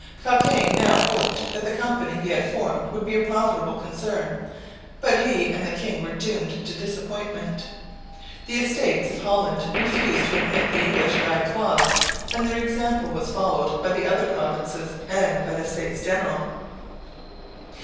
Cockayne now hoped that the company he had formed would be a profitable concern, but he and the king were doomed to disappointment. The Estates of Holland refused to admit the English dyed cloths, and their example was followed by the other provinces and by the States General.